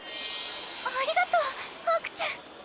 ありがとうホークちゃん。